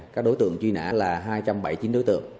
các đối tượng truy nã là hai trăm bảy mươi chín đối tượng